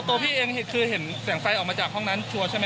ตัวพี่เองคือเห็นแสงไฟออกมาจากห้องนั้นชัวร์ใช่ไหม